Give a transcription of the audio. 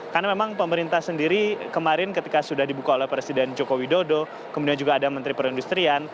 karena memang pemerintah sendiri kemarin ketika sudah dibuka oleh presiden joko widodo kemudian juga ada menteri perindustrian